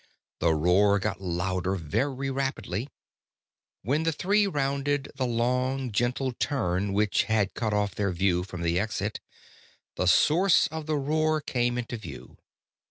The roar got louder very rapidly. When the three rounded the long, gentle turn which had cut off their view from the exit, the source of the roar came into view.